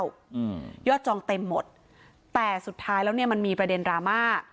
อืมยอดจองเต็มหมดแต่สุดท้ายแล้วเนี้ยมันมีประเด็นดราม่า